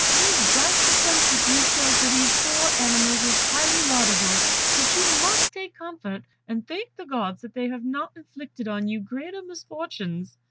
No doubt the friendship you show for these poor animals is highly laudable, but you must take comfort, and thank the Gods that they have not inflicted on you greater misfortunes."